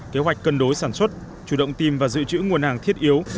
kế hoạch cân đối sản xuất chủ động tìm và dự trữ nguồn hàng thiết yếu